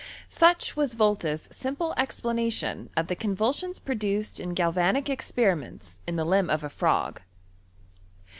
Such was Volta*s simple explanation of the con vulsions produced in galvanic experiments in the limb of a frog.